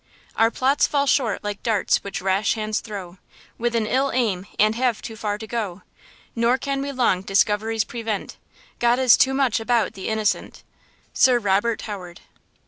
Our plots fall short like darts which rash hands throw With an ill aim, and have too far to go; Nor can we long discoveries prevent; God is too much about the innocent! –SIR ROBERT HOWARD.